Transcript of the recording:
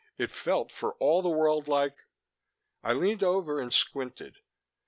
It felt for all the world like I leaned over it and squinted.